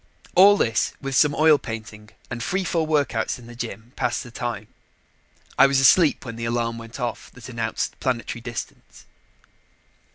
All this, with some oil painting and free fall workouts in the gym, passed the time. I was asleep when the alarm went off that announced planetary distance.